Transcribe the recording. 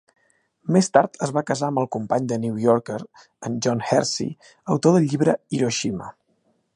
Més tard es va casar amb el company de "New Yorker", en John Hersey, autor del llibre "Hiroshima".